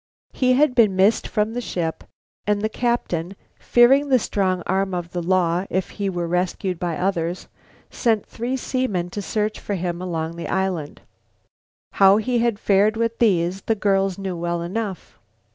He had been missed from the ship and the captain, fearing the strong arm of the law if he were rescued by others, sent three seamen to search for him along the island. How he had fared with these, the girls knew well enough.